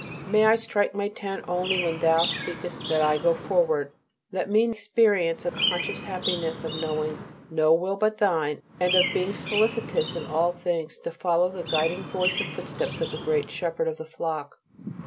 May I strike my tent only when Thou speakest that I "go forward." Let me experience the conscious happiness of knowing no will but Thine, and of being solicitous in all things to follow the guiding voice and footsteps of the Great Shepherd of the flock.